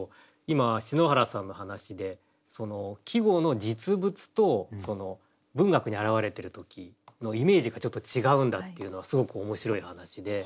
今篠原さんの話で季語の実物と文学に表れてる時のイメージがちょっと違うんだっていうのはすごく面白い話で。